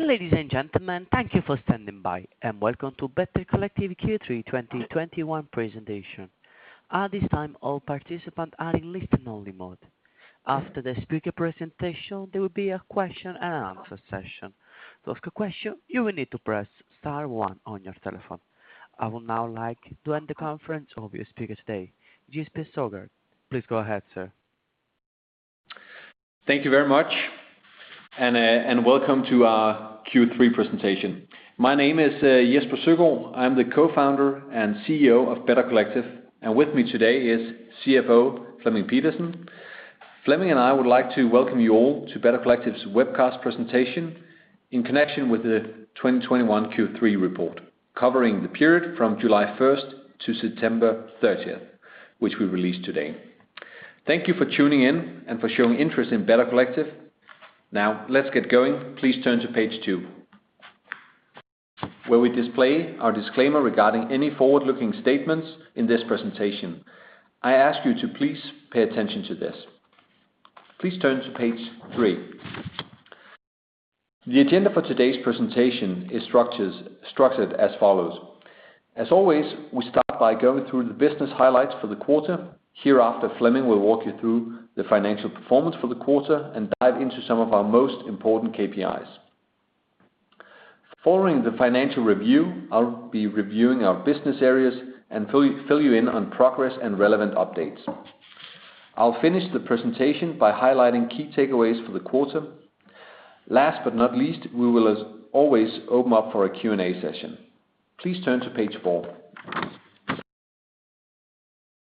Ladies and gentlemen, thank you for standing by, and welcome to Better Collective Q3 2021 presentation. At this time, all participants are in listen-only mode. After the speaker presentation, there will be a question-and-answer session. To ask a question, you will need to press star one on your telephone. I would now like to hand the conference over to the speaker today, Jesper Søgaard. Please go ahead, sir. Thank you very much and welcome to our Q3 presentation. My name is Jesper Søgaard. I'm the Co-founder and CEO of Better Collective, and with me today is CFO Flemming Pedersen. Flemming and I would like to welcome you all to Better Collective's webcast presentation in connection with the 2021 Q3 report, covering the period from July 1st to September 30th, which we released today. Thank you for tuning in and for showing interest in Better Collective. Now, let's get going. Please turn to page two, where we display our disclaimer regarding any forward-looking statements in this presentation. I ask you to please pay attention to this. Please turn to page three. The agenda for today's presentation is structured as follows. As always, we start by going through the business highlights for the quarter. Hereafter, Flemming will walk you through the financial performance for the quarter and dive into some of our most important KPIs. Following the financial review, I'll be reviewing our business areas and fill you in on progress and relevant updates. I'll finish the presentation by highlighting key takeaways for the quarter. Last but not least, we will as always open up for a Q&A session. Please turn to page four.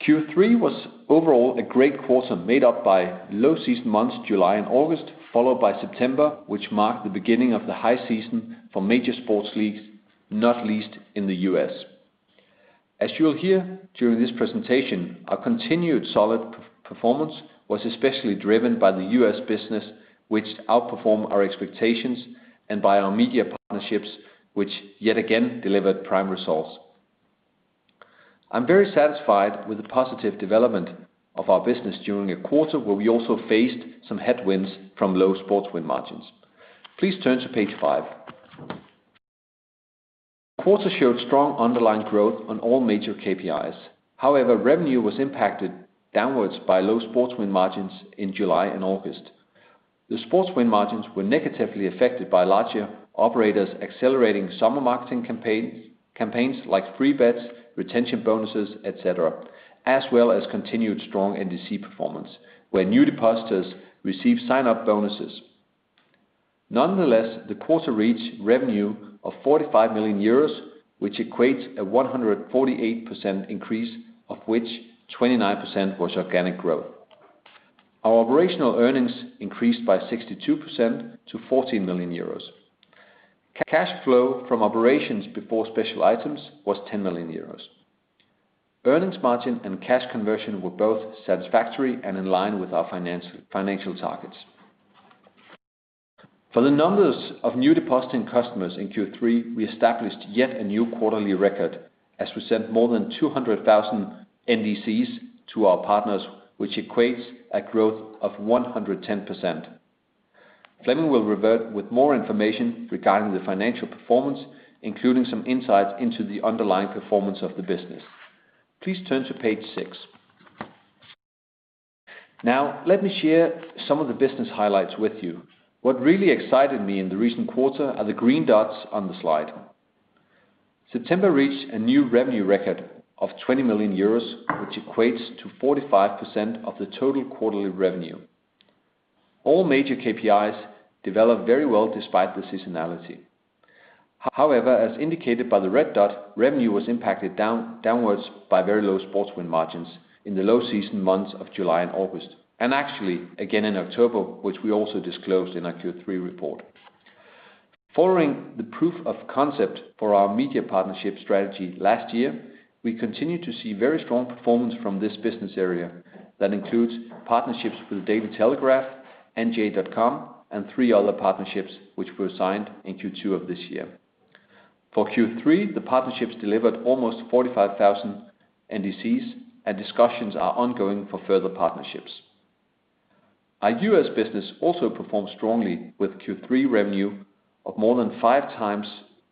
Q3 was overall a great quarter made up by low season months July and August, followed by September, which marked the beginning of the high season for major sports leagues, not least in the U.S. As you'll hear during this presentation, our continued solid performance was especially driven by the U.S. business, which outperformed our expectations and by our media partnerships which yet again delivered prime results. I'm very satisfied with the positive development of our business during a quarter where we also faced some headwinds from low sports win margins. Please turn to page five. The quarter showed strong underlying growth on all major KPIs. However, revenue was impacted downwards by low sports win margins in July and August. The sports win margins were negatively affected by larger operators accelerating summer marketing campaign, campaigns like free bets, retention bonuses, et cetera, as well as continued strong NDC performance, where new depositors receive sign-up bonuses. Nonetheless, the quarter reached revenue of 45 million euros, which equates to a 148% increase, of which 29% was organic growth. Our operational earnings increased by 62% to 14 million euros. Cash flow from operations before special items was 10 million euros. Earnings margin and cash conversion were both satisfactory and in line with our financial targets. For the numbers of new depositing customers in Q3, we established yet a new quarterly record as we sent more than 200,000 NDCs to our partners, which equates to a growth of 110%. Flemming will revert with more information regarding the financial performance, including some insights into the underlying performance of the business. Please turn to page six. Now, let me share some of the business highlights with you. What really excited me in the recent quarter are the green dots on the slide. September reached a new revenue record of 20 million euros, which equates to 45% of the total quarterly revenue. All major KPIs developed very well despite the seasonality. However, as indicated by the red dot, revenue was impacted downwards by very low sports win margins in the low season months of July and August, and actually again in October, which we also disclosed in our Q3 report. Following the proof of concept for our media partnership strategy last year, we continue to see very strong performance from this business area that includes partnerships with The Daily Telegraph, NJ.com, and three other partnerships which were signed in Q2 of this year. For Q3, the partnerships delivered almost 45,000 NDCs, and discussions are ongoing for further partnerships. Our U.S. business also performed strongly with Q3 revenue of more than five times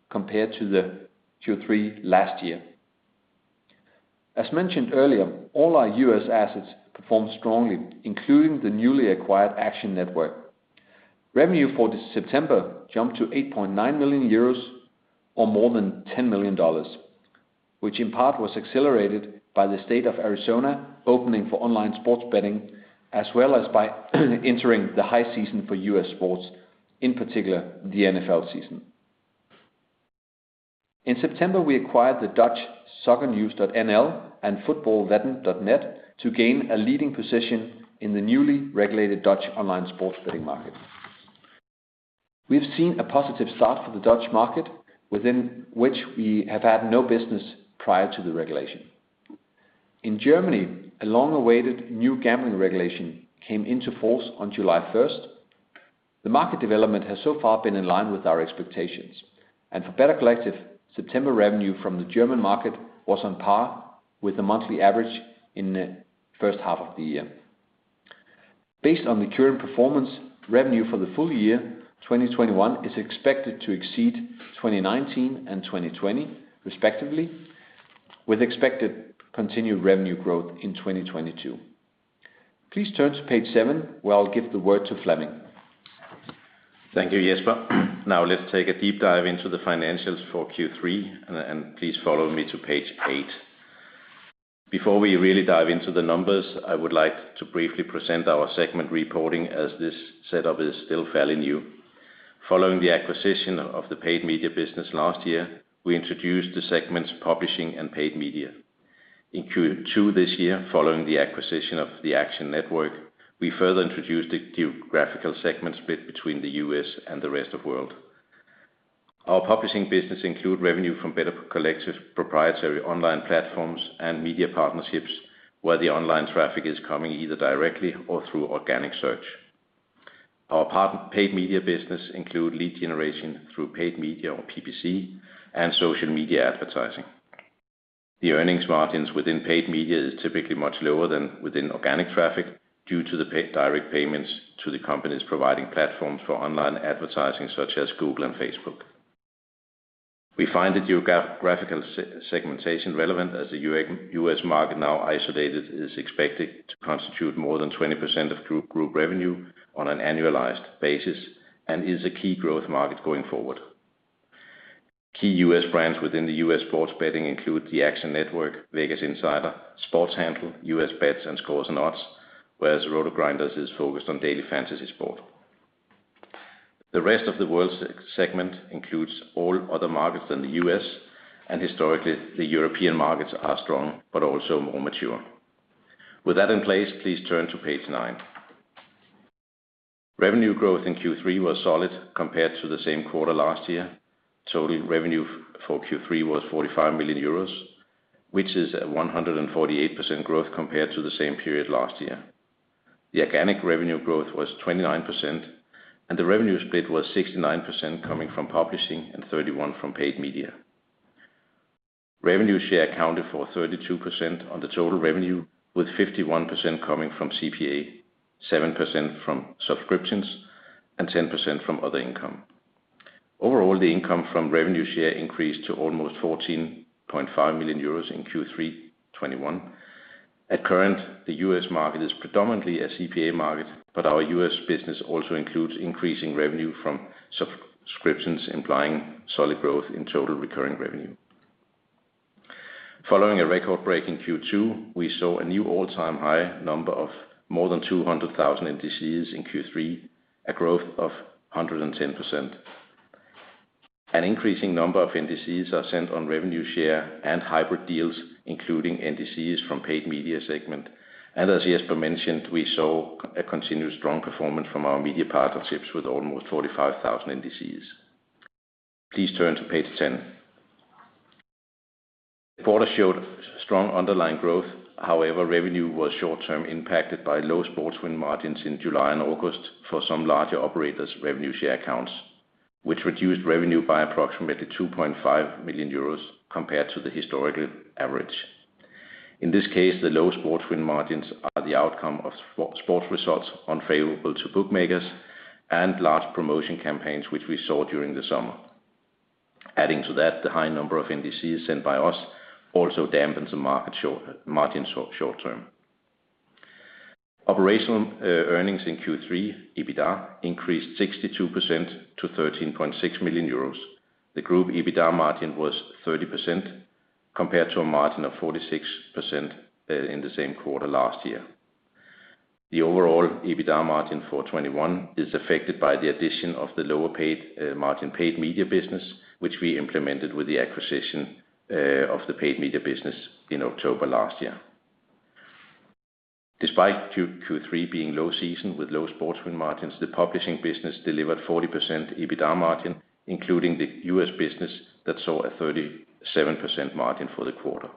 compared to the Q3 last year. As mentioned earlier, all our U.S. assets performed strongly, including the newly acquired Action Network. Revenue for September jumped to 8.9 million euros or more than $10 million, which in part was accelerated by the state of Arizona opening for online sports betting as well as by entering the high season for U.S. sports, in particular the NFL season. In September, we acquired the Dutch Soccernews.nl and Voetbalwedden.net to gain a leading position in the newly regulated Dutch online sports betting market. We've seen a positive start for the Dutch market within which we have had no business prior to the regulation. In Germany, a long-awaited new gambling regulation came into force on July 1st. The market development has so far been in line with our expectations. For Better Collective, September revenue from the German market was on par with the monthly average in the first half of the year. Based on the current performance, revenue for the full year 2021 is expected to exceed 2019 and 2020 respectively, with expected continued revenue growth in 2022. Please turn to page seven while I give the word to Flemming. Thank you, Jesper. Now let's take a deep dive into the financials for Q3, and please follow me to page eight. Before we really dive into the numbers, I would like to briefly present our segment reporting as this setup is still fairly new. Following the acquisition of the Paid Media business last year, we introduced the segments Publishing and Paid Media. In Q2 this year, following the acquisition of the Action Network, we further introduced the geographical segment split between the U.S. and the Rest of World. Our Publishing business include revenue from Better Collective's proprietary online platforms and media partnerships, where the online traffic is coming either directly or through organic search. Our Paid Media business include lead generation through paid media or PPC and social media advertising. The earnings margins within Paid Media is typically much lower than within organic traffic due to direct payments to the companies providing platforms for online advertising such as Google and Facebook. We find the geographical segmentation relevant as the U.S. market now isolated is expected to constitute more than 20% of group revenue on an annualized basis and is a key growth market going forward. Key U.S. brands within the U.S. sports betting include the Action Network, VegasInsider, SportsHandle, US Bets, and ScoresandOdds, whereas RotoGrinders is focused on daily fantasy sport. The rest of the world segment includes all other markets than the U.S., and historically, the European markets are strong but also more mature. With that in place, please turn to page nine. Revenue growth in Q3 was solid compared to the same quarter last year. Total revenue for Q3 was 45 million euros, which is a 148% growth compared to the same period last year. The organic revenue growth was 29%, and the revenue split was 69% coming from Publishing and 31% from Paid Media. Revenue share accounted for 32% on the total revenue, with 51% coming from CPA, 7% from subscriptions, and 10% from other income. Overall, the income from revenue share increased to almost 14.5 million euros in Q3 2021. Currently, the U.S. market is predominantly a CPA market, but our U.S. business also includes increasing revenue from subscriptions implying solid growth in total recurring revenue. Following a record-breaking Q2, we saw a new all-time high number of more than 200,000 NDCs in Q3, a growth of 110%. An increasing number of NDCs are sent on revenue share and hybrid deals, including NDCs from Paid Media segment. As Jesper mentioned, we saw a continued strong performance from our media partnerships with almost 45,000 NDCs. Please turn to page 10. The quarter showed strong underlying growth. However, revenue was short term impacted by low sports win margins in July and August for some larger operators' revenue share accounts, which reduced revenue by approximately 2.5 million euros compared to the historical average. In this case, the low sports win margins are the outcome of sports results unfavorable to bookmakers and large promotion campaigns which we saw during the summer. Adding to that, the high number of NDCs sent by us also dampened the margin short term. Operational earnings in Q3, EBITDA, increased 62% to 13.6 million euros. The group EBITDA margin was 30% compared to a margin of 46% in the same quarter last year. The overall EBITDA margin for 2021 is affected by the addition of the lower-margin Paid Media business, which we implemented with the acquisition of the Paid Media business in October last year. Despite Q3 being low season with low sports win margins, the Publishing business delivered 40% EBITDA margin, including the U.S. business that saw a 37% margin for the quarter.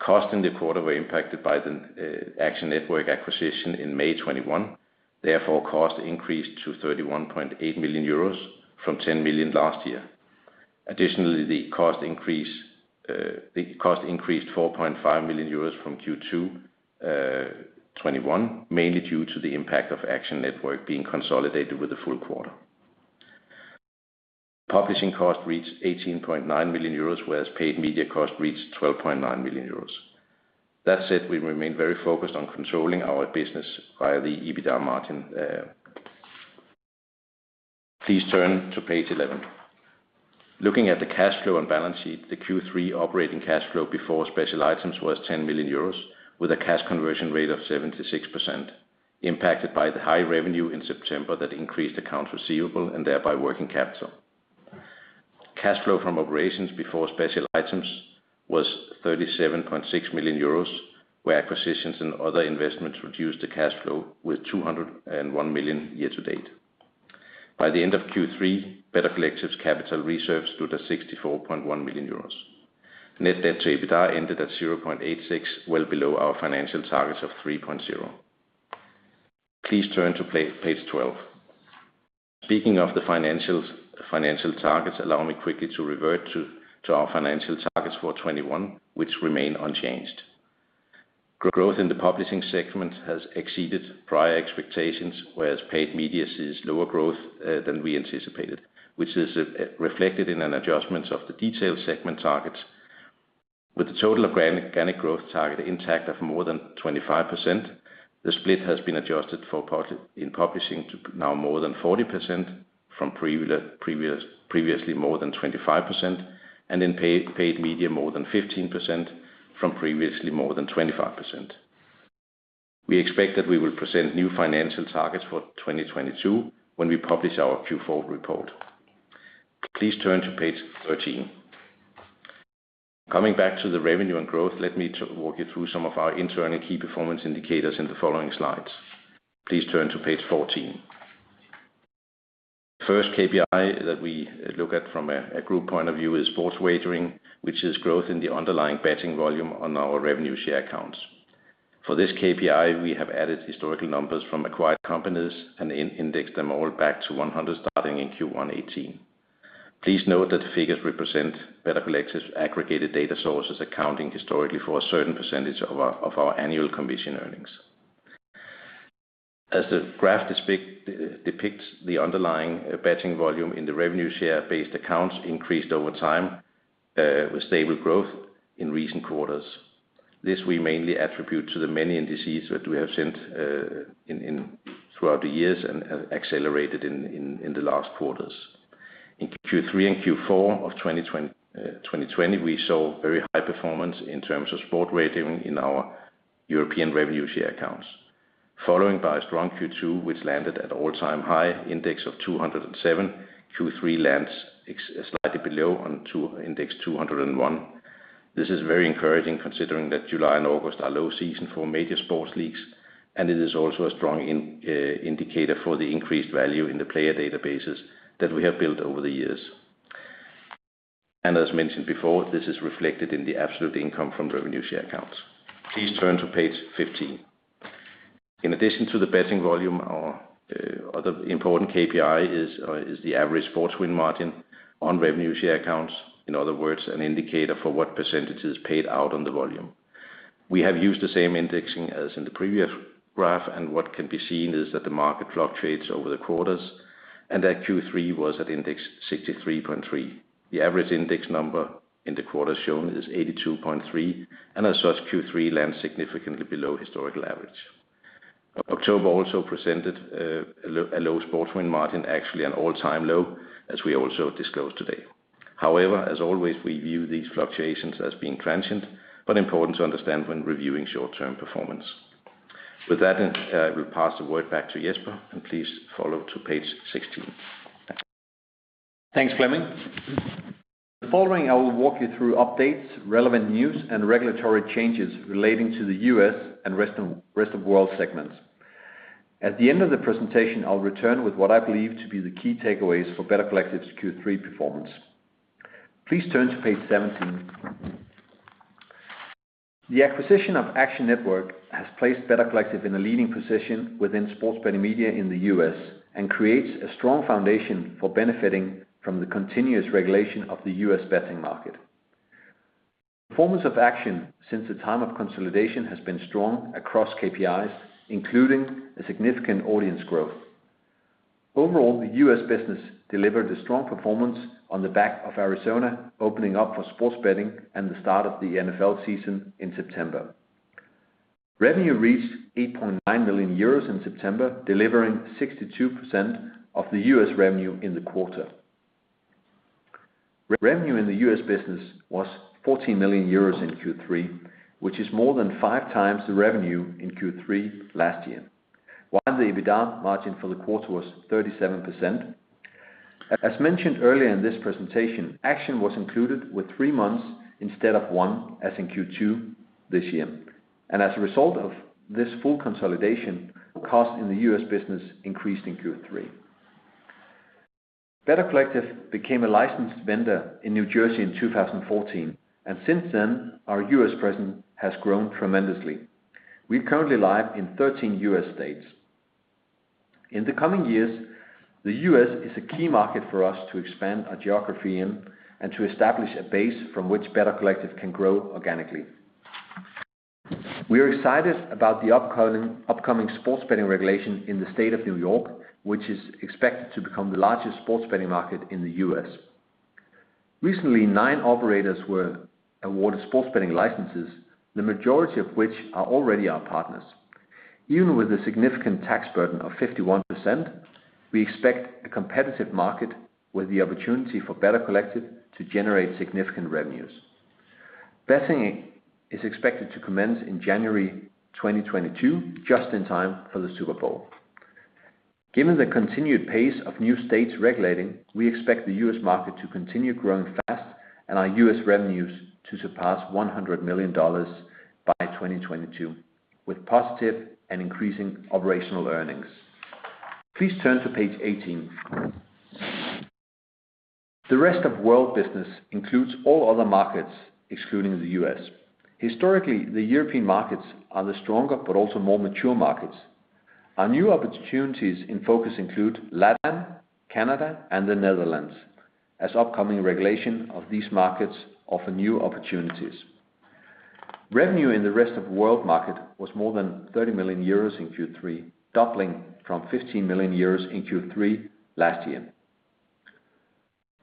Costs in the quarter were impacted by the Action Network acquisition in May 2021, therefore, cost increased to 31.8 million euros from 10 million last year. Additionally, the cost increased 4.5 million euros from Q2 2021, mainly due to the impact of Action Network being consolidated for the full quarter. Publishing cost reached 18.9 million euros, whereas Paid Media cost reached 12.9 million euros. That said, we remain very focused on controlling our business via the EBITDA margin. Please turn to page 11. Looking at the cash flow and balance sheet, the Q3 operating cash flow before special items was 10 million euros with a cash conversion rate of 76%, impacted by the high revenue in September that increased accounts receivable and thereby working capital. Cash flow from operations before special items was 37.6 million euros, where acquisitions and other investments reduced the cash flow with 201 million year to date. By the end of Q3, Better Collective's capital reserves stood at 64.1 million euros. Net debt to EBITDA ended at 0.86, well below our financial targets of 3.0. Please turn to page 12. Speaking of the financials, financial targets, allow me quickly to revert to our financial targets for 2021, which remain unchanged. Growth in the Publishing segment has exceeded prior expectations, whereas Paid Media sees lower growth than we anticipated, which is reflected in an adjustment of the detailed segment targets with a total organic growth target intact of more than 25%. The split has been adjusted in Publishing to now more than 40% from previously more than 25%, and in Paid Media more than 15% from previously more than 25%. We expect that we will present new financial targets for 2022 when we publish our Q4 report. Please turn to page 13. Coming back to the revenue and growth, let me walk you through some of our internal key performance indicators in the following slides. Please turn to page 14. First KPI that we look at from a group point of view is sports wagering, which is growth in the underlying betting volume on our revenue share accounts. For this KPI, we have added historical numbers from acquired companies and indexed them all back to 100 starting in Q1 2018. Please note that the figures represent Better Collective's aggregated data sources accounting historically for a certain percentage of our annual commission earnings. The graph depicts the underlying betting volume in the revenue share-based accounts increased over time with stable growth in recent quarters. This we mainly attribute to the many indices that we have sent throughout the years and accelerated in the last quarters. In Q3 and Q4 of 2020, we saw very high performance in terms of sport rating in our European revenue share accounts. Followed by a strong Q2, which landed at all-time high index of 207, Q3 lands slightly below on index 201. This is very encouraging considering that July and August are low season for major sports leagues, and it is also a strong indicator for the increased value in the player databases that we have built over the years. As mentioned before, this is reflected in the absolute income from revenue share accounts. Please turn to page 15. In addition to the betting volume, our other important KPI is the average sports win margin on revenue share accounts, in other words, an indicator for what percentage is paid out on the volume. We have used the same indexing as in the previous graph, and what can be seen is that the market fluctuates over the quarters and that Q3 was at index 63.3. The average index number in the quarter shown is 82.3, and as such, Q3 lands significantly below historical average. October also presented a low sports win margin, actually an all-time low, as we also disclosed today. However, as always, we view these fluctuations as being transient, but important to understand when reviewing short-term performance. With that, I will pass the word back to Jesper, and please follow to page 16. Thank you. Thanks, Flemming. The following, I will walk you through updates, relevant news, and regulatory changes relating to the U.S. and Rest of World segments. At the end of the presentation, I'll return with what I believe to be the key takeaways for Better Collective's Q3 performance. Please turn to page 17. The acquisition of Action Network has placed Better Collective in a leading position within sports betting media in the U.S. and creates a strong foundation for benefiting from the continuous regulation of the U.S. betting market. Performance of Action since the time of consolidation has been strong across KPIs, including a significant audience growth. Overall, the U.S. business delivered a strong performance on the back of Arizona opening up for sports betting and the start of the NFL season in September. Revenue reached 8.9 million euros in September, delivering 62% of the U.S. revenue in the quarter. Revenue in the U.S. business was 14 million euros in Q3, which is more than 5x the revenue in Q3 last year, while the EBITDA margin for the quarter was 37%. As mentioned earlier in this presentation, Action was included with three months instead of one as in Q2 this year. As a result of this full consolidation, costs in the U.S. business increased in Q3. Better Collective became a licensed vendor in New Jersey in 2014, and since then, our U.S. presence has grown tremendously. We're currently live in 13 U.S. states. In the coming years, the U.S. is a key market for us to expand our geography in and to establish a base from which Better Collective can grow organically. We are excited about the upcoming sports betting regulation in the State of New York, which is expected to become the largest sports betting market in the U.S. Recently, nine operators were awarded sports betting licenses, the majority of which are already our partners. Even with a significant tax burden of 51%, we expect a competitive market with the opportunity for Better Collective to generate significant revenues. Betting is expected to commence in January 2022, just in time for the Super Bowl. Given the continued pace of new states regulating, we expect the U.S. market to continue growing fast and our U.S. revenues to surpass $100 million by 2022, with positive and increasing operational earnings. Please turn to page 18. The Rest of World business includes all other markets excluding the U.S. Historically, the European markets are the stronger but also more mature markets. Our new opportunities in focus include Latin America, Canada, and the Netherlands as upcoming regulation of these markets offer new opportunities. Revenue in the Rest of World market was more than 30 million euros in Q3, doubling from 15 million euros in Q3 last year.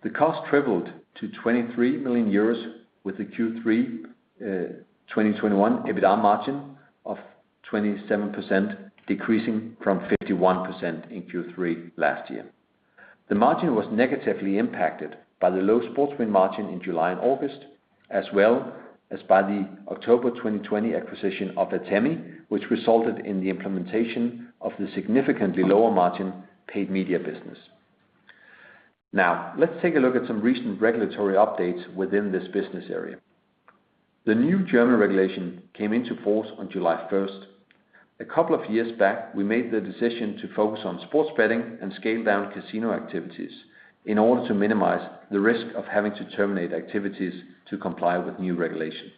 The cost tripled to 23 million euros with the Q3 2021 EBITDA margin of 27%, decreasing from 51% in Q3 last year. The margin was negatively impacted by the low sports win margin in July and August, as well as by the October 2020 acquisition of Atemi, which resulted in the implementation of the significantly lower-margin Paid Media business. Now, let's take a look at some recent regulatory updates within this business area. The new German regulation came into force on July 1. A couple of years back, we made the decision to focus on sports betting and scale down casino activities in order to minimize the risk of having to terminate activities to comply with new regulation.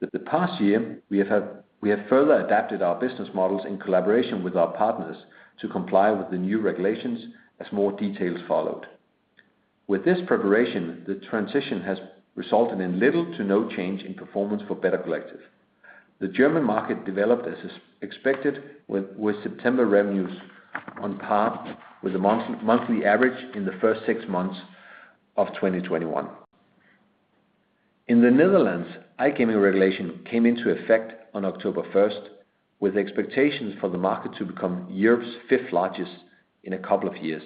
The past year we have further adapted our business models in collaboration with our partners to comply with the new regulations as more details followed. With this preparation, the transition has resulted in little to no change in performance for Better Collective. The German market developed as expected with September revenues on par with the monthly average in the first six months of 2021. In the Netherlands, iGaming regulation came into effect on October 1, with expectations for the market to become Europe's fifth-largest in a couple of years.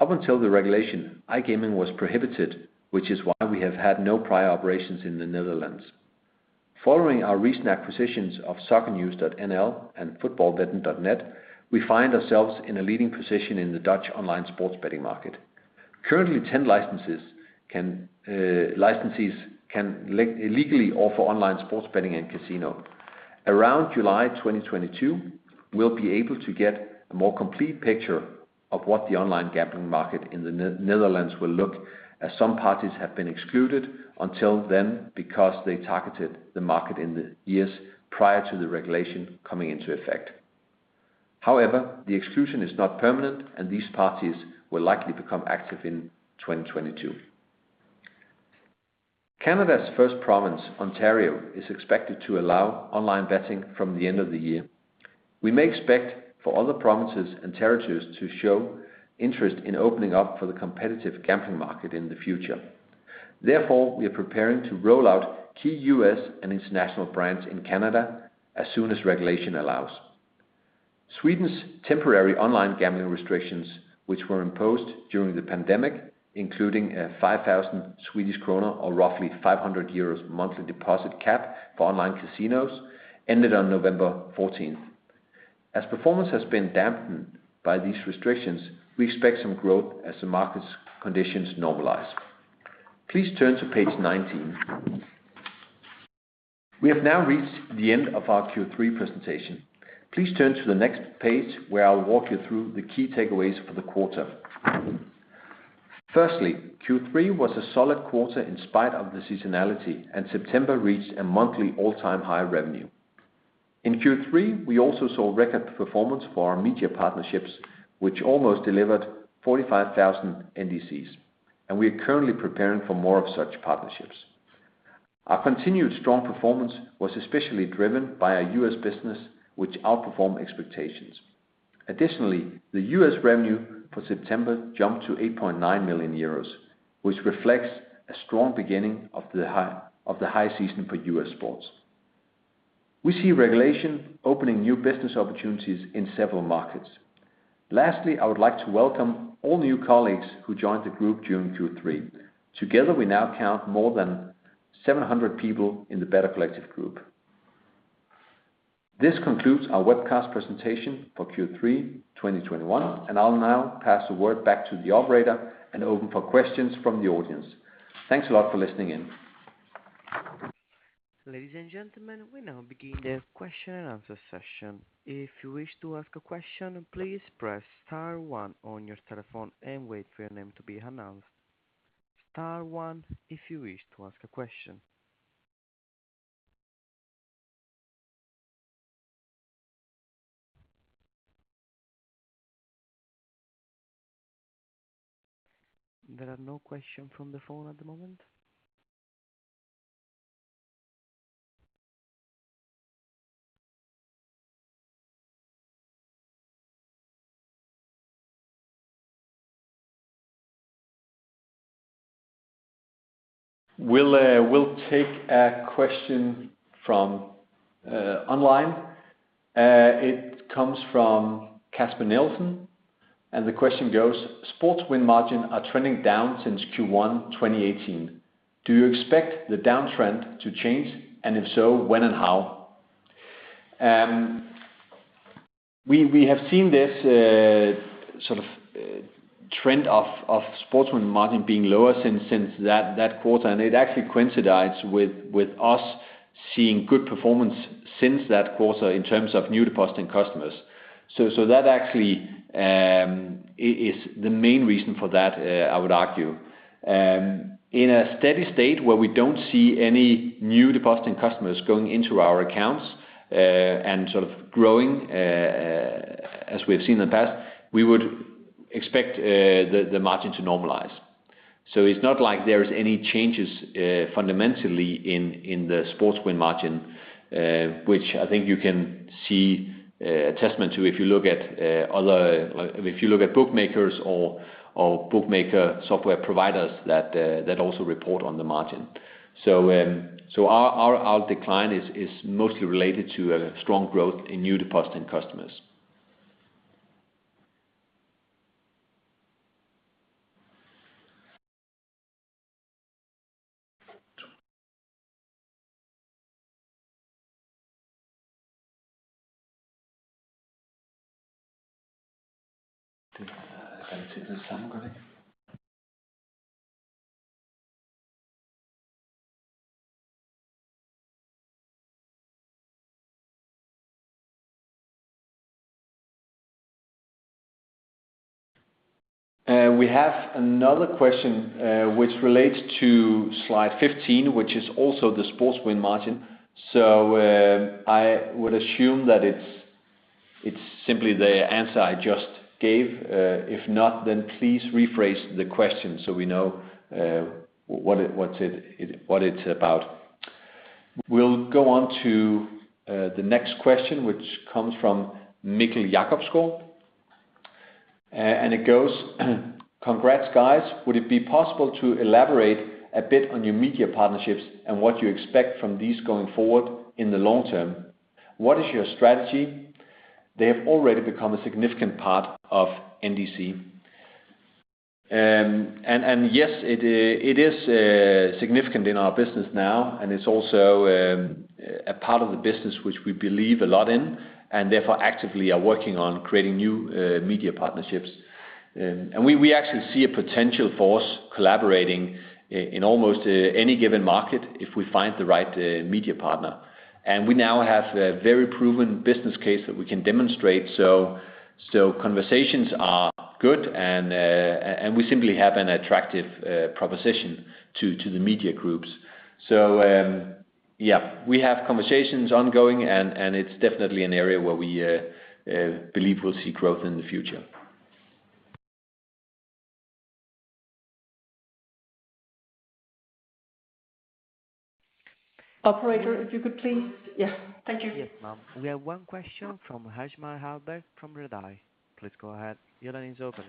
Up until the regulation, iGaming was prohibited, which is why we have had no prior operations in the Netherlands. Following our recent acquisitions of soccernews.nl and voetbalwedden.net we find ourselves in a leading position in the Dutch online sports betting market. Currently, 10 licensees can legally offer online sports betting and casino. Around July 2022, we'll be able to get a more complete picture of what the online gambling market in the Netherlands will look like as some parties have been excluded until then because they targeted the market in the years prior to the regulation coming into effect. However, the exclusion is not permanent and these parties will likely become active in 2022. Canada's first province, Ontario, is expected to allow online betting from the end of the year. We may expect for other provinces and territories to show interest in opening up for the competitive gambling market in the future. Therefore, we are preparing to roll out key U.S. and international brands in Canada as soon as regulation allows. Sweden's temporary online gambling restrictions, which were imposed during the pandemic, including a 5,000 Swedish kronor or roughly 500 euros monthly deposit cap for online casinos, ended on November 14th. As performance has been dampened by these restrictions, we expect some growth as the market's conditions normalize. Please turn to page 19. We have now reached the end of our Q3 presentation. Please turn to the next page, where I'll walk you through the key takeaways for the quarter. Firstly, Q3 was a solid quarter in spite of the seasonality, and September reached a monthly all-time high revenue. In Q3, we also saw record performance for our media partnerships, which almost delivered 45,000 NDCs, and we are currently preparing for more of such partnerships. Our continued strong performance was especially driven by our U.S. business, which outperformed expectations. Additionally, the U.S. revenue for September jumped to EUR 8.9 million, which reflects a strong beginning of the high season for U.S. sports. We see regulation opening new business opportunities in several markets. Lastly, I would like to welcome all new colleagues who joined the group during Q3. Together, we now count more than 700 people in the Better Collective group. This concludes our webcast presentation for Q3 2021, and I'll now pass the word back to the operator and open for questions from the audience. Thanks a lot for listening in. Ladies and gentlemen, we now begin the question-and-answer session. If you wish to ask a question, please press star one on your telephone and wait for your name to be announced. Star one if you wish to ask a question. There are no questions from the phone at the moment. We'll take a question from online. It comes from [Casper Nielsen], and the question goes, sports win margin are trending down since Q1 2018. Do you expect the downtrend to change, and if so, when and how? We have seen this sort of trend of sports win margin being lower since that quarter, and it actually coincides with us seeing good performance since that quarter in terms of new depositing customers. That actually is the main reason for that, I would argue. In a steady state where we don't see any new depositing customers going into our accounts and sort of growing as we've seen in the past, we would expect the margin to normalize. It's not like there is any changes fundamentally in the sports win margin, which I think you can see a testament to if you look at bookmakers or bookmaker software providers that also report on the margin. Our decline is mostly related to a strong growth in new depositing customers. We have another question, which relates to slide 15, which is also the sports win margin. I would assume that it's simply the answer I just gave. If not, then please rephrase the question so we know what it's about. We'll go on to the next question, which comes from Mikkel Jacobsgaard. It goes, "Congrats, guys. Would it be possible to elaborate a bit on your media partnerships and what you expect from these going forward in the long term? What is your strategy?" They have already become a significant part of NDC. Yes, it is significant in our business now, and it's also a part of the business which we believe a lot in, and therefore actively are working on creating new media partnerships. We actually see a potential for us collaborating in almost any given market if we find the right media partner. We now have a very proven business case that we can demonstrate. So conversations are good, and we simply have an attractive proposition to the media groups. Yeah, we have conversations ongoing and it's definitely an area where we believe we'll see growth in the future. Operator, if you could please. Yeah. Thank you. Yes, ma'am. We have one question from Hjalmar Ahlberg from Redeye. Please go ahead. Your line is open.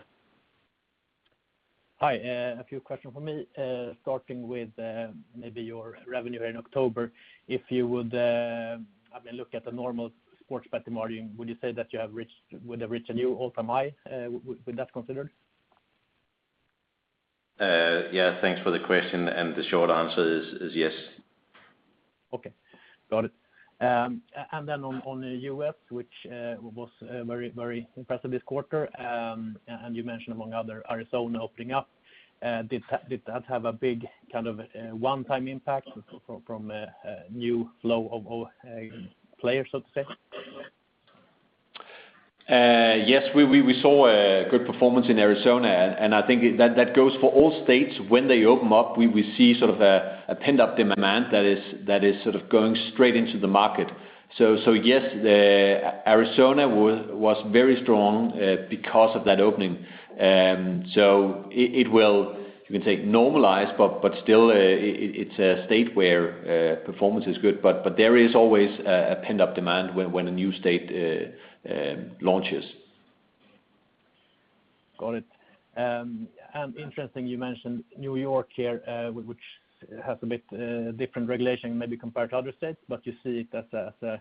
Hi. A few questions from me, starting with maybe your revenue in October. If you would, I mean, look at the normal sports betting margin, would you say that you have reached a new all-time high, with that considered? Yeah, thanks for the question, and the short answer is yes. Okay. Got it. And then on the U.S., which was very impressive this quarter, and you mentioned among other Arizona opening up, did that have a big kind of one-time impact from a new flow of players, so to say? Yes. We saw a good performance in Arizona, and I think that goes for all states. When they open up, we see sort of a pent-up demand that is sort of going straight into the market. Yes, the Arizona was very strong because of that opening. It will, you can say, normalize, but still, it's a state where performance is good, but there is always a pent-up demand when a new state launches. Got it. Interesting you mentioned New York here, which has a bit different regulation maybe compared to other states, but you see it as a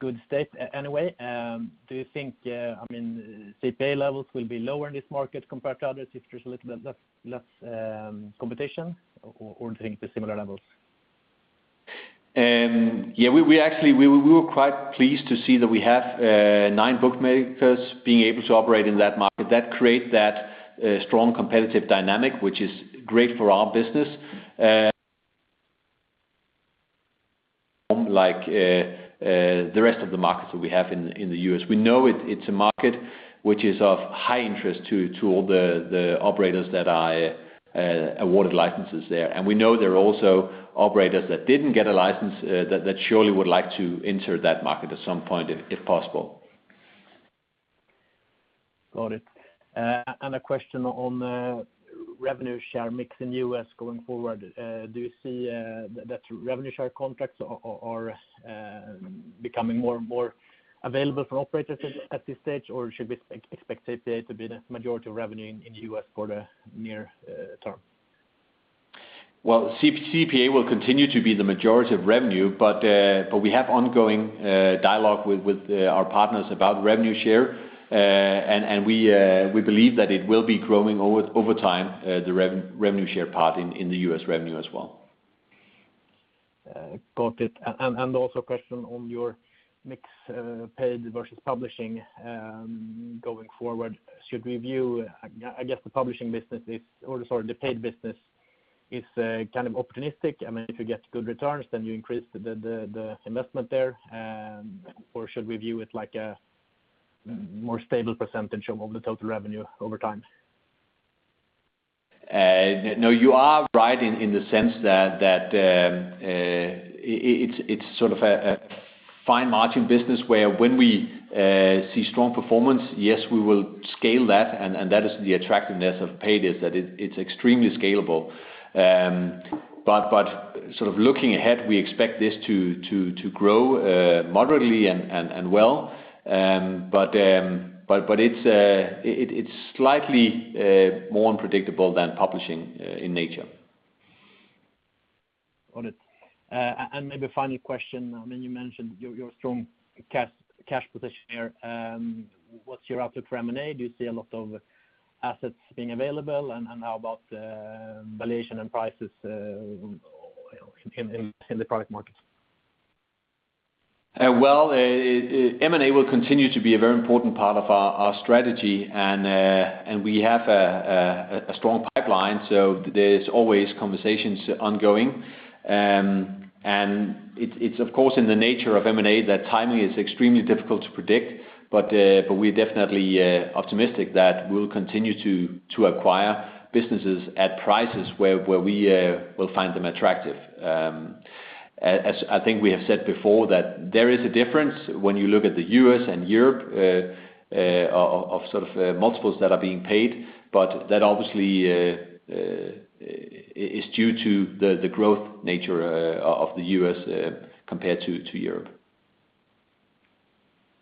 good state anyway. Do you think, I mean, CPA levels will be lower in this market compared to others if there's a little bit less competition or do you think the similar levels? Yeah, we actually were quite pleased to see that we have nine bookmakers being able to operate in that market. That creates strong competitive dynamic, which is great for our business. Like the rest of the markets that we have in the U.S. We know it's a market which is of high interest to all the operators that are awarded licenses there. We know there are also operators that didn't get a license that surely would like to enter that market at some point if possible. Got it. A question on the revenue share mix in U.S. going forward. Do you see that revenue share contracts are becoming more and more available for operators at this stage, or should we expect CPA to be the majority of revenue in the U.S. for the near term? Well, CPA will continue to be the majority of revenue, but we have ongoing dialogue with our partners about revenue share. We believe that it will be growing over time, the revenue share part in the U.S. revenue as well. Got it. Also a question on your mix, Paid versus Publishing, going forward. Should we view, I guess the Publishing business is or sorry, the Paid business is kind of opportunistic? I mean, if you get good returns, then you increase the investment there. Should we view it like a more stable percentage of all the total revenue over time. No, you are right in the sense that it's sort of a fine margin business where when we see strong performance, yes, we will scale that, and that is the attractiveness of Paid is that it's extremely scalable. Sort of looking ahead, we expect this to grow moderately and well. It's slightly more unpredictable than Publishing in nature. Got it. Maybe final question. I mean, you mentioned your strong cash position here. What's your outlook for M&A? Do you see a lot of assets being available? How about valuation and prices, you know, in the product markets? Well, M&A will continue to be a very important part of our strategy. We have a strong pipeline, so there's always conversations ongoing. It's of course in the nature of M&A that timing is extremely difficult to predict. We're definitely optimistic that we'll continue to acquire businesses at prices where we will find them attractive. As I think we have said before that there is a difference when you look at the U.S. and Europe of sort of multiples that are being paid, but that obviously is due to the growth nature of the U.S. compared to Europe.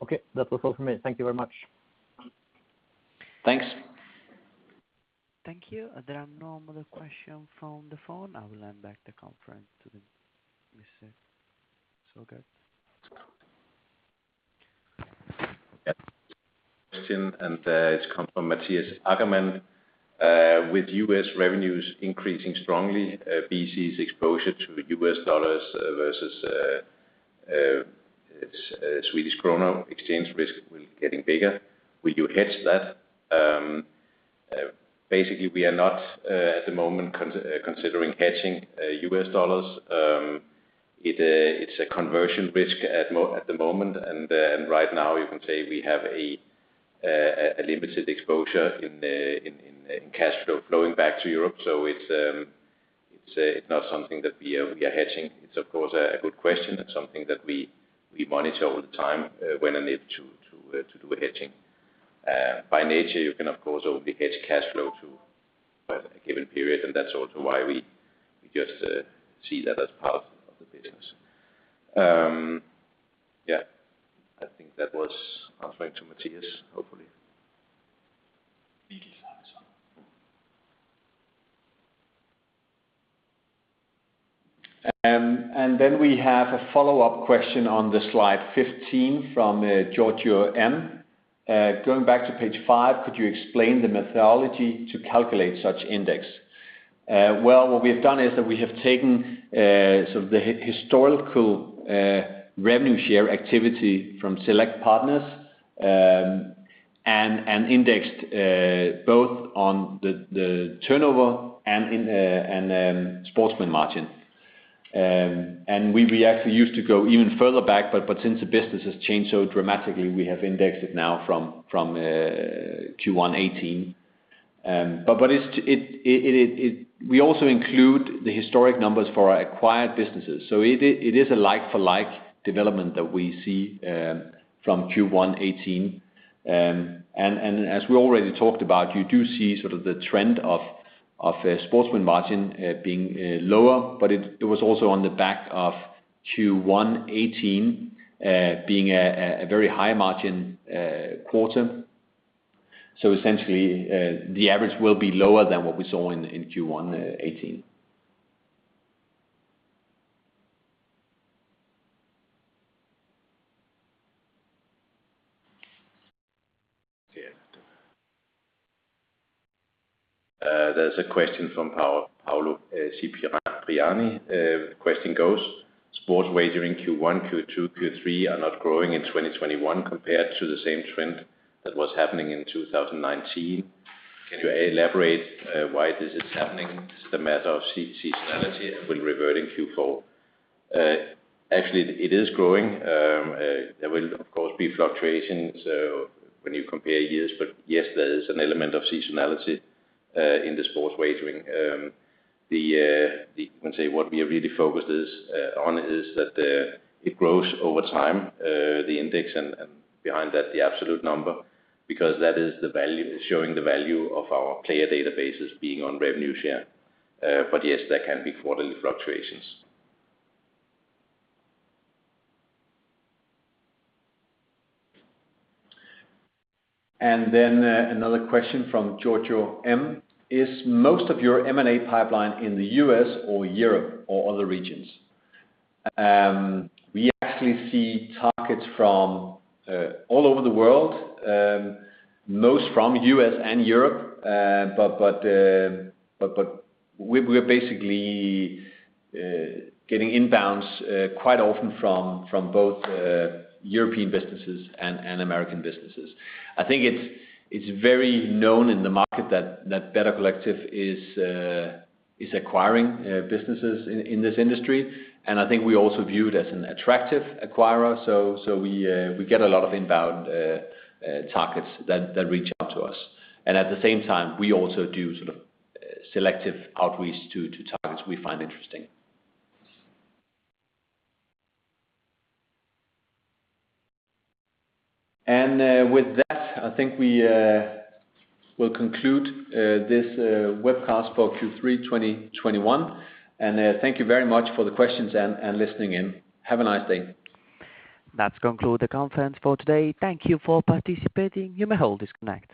Okay. That was all for me. Thank you very much. Thanks. Thank you. There are no more questions from the phone. I will hand back the conference to the Mr. Søgaard. [inaudible] question, it's come from [Mathias Ackermann]. With U.S. revenues increasing strongly, BC's exposure to U.S. dollars versus its Swedish krona exchange risk will be getting bigger. Will you hedge that? Basically, we are not at the moment considering hedging U.S. dollars. It's a conversion risk at the moment, and right now, you can say we have a limited exposure in cash flow flowing back to Europe. It's not something that we are hedging. It's of course a good question. It's something that we monitor all the time, when I need to do a hedging. By nature, you can, of course, only hedge cash flow to a given period, and that's also why we just see that as part of the business. Yeah. I think that was answering to Mathias, hopefully. We have a follow-up question on the slide 15 from [Giorgio M]. Going back to page five, could you explain the methodology to calculate such index? Well, what we have done is that we have taken sort of the historical revenue share activity from select partners, and indexed both on the turnover and in sports win margin. We actually used to go even further back, but since the business has changed so dramatically, we have indexed it now from Q1 2018. We also include the historic numbers for our acquired businesses. It is a like-for-like development that we see from Q1 2018. As we already talked about, you do see sort of the trend of sports win margin being lower, but it was also on the back of Q1 2018 being a very high-margin quarter. Essentially, the average will be lower than what we saw in Q1 2018. Yeah. There's a question from Paolo Cipriani. Question goes, sports wagering Q1, Q2, Q3 are not growing in 2021 compared to the same trend that was happening in 2019. Can you elaborate why this is happening? Is it a matter of seasonality and will revert in Q4? Actually, it is growing. There will of course be fluctuations when you compare years. Yes, there is an element of seasonality in the sports wagering. You can say what we are really focused on is that it grows over time, the index and behind that the absolute number because that is the value, showing the value of our player databases being on revenue share. Yes, there can be quarterly fluctuations. Another question from [Giorgio M]. Is most of your M&A pipeline in the U.S. or Europe or other regions? We actually see targets from all over the world, most from U.S. and Europe. We are basically getting inbounds quite often from both European businesses and American businesses. I think it's very known in the market that Better Collective is acquiring businesses in this industry. I think we also view it as an attractive acquirer. We get a lot of inbound targets that reach out to us. At the same time, we also do sort of selective outreach to targets we find interesting. With that, I think we will conclude this webcast for Q3 2021. Thank you very much for the questions and listening in. Have a nice day. That concludes the conference for today. Thank you for participating. You may all disconnect.